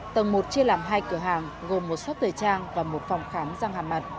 tầng một chia làm hai cửa hàng gồm một shop tời trang và một phòng khám giang hàm mặt